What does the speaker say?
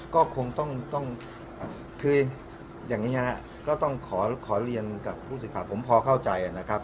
ก็คงต้องคืออย่างนี้ฮะก็ต้องขอเรียนกับผู้สื่อข่าวผมพอเข้าใจนะครับ